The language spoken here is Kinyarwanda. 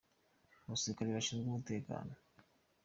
abasirikare bashinzwe umutekano.